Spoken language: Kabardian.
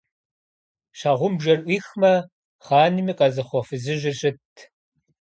Щхьэгъубжэр Ӏуихмэ, хъаным и къазыхъуэ фызыжьыр щытт.